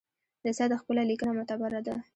د سید خپله لیکنه معتبره ده.